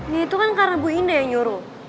dia itu kan karena bu indah yang nyuruh